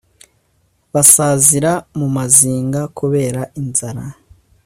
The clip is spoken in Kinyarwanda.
basazira mu mazinga kubera inzara